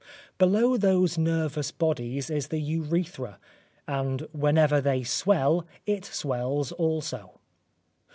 Below those nervous bodies is the urethra, and whenever they swell, it swells also.